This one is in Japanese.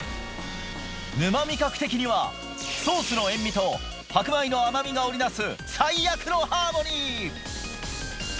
沼味覚的にはソースの塩味と白米の甘味が織り成す最悪のハーモニー！